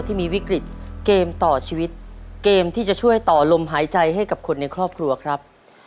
ที่มีวิกฤตเกมต่อชีวิตเกมที่จะช่วยต่อลมหายใจให้กับคนในครอบครัวครับ